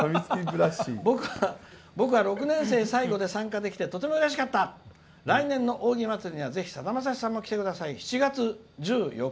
「僕は６年生最後で参加できてとてもうれしかった来年の祭りにはぜひさだまさしさんも来てください。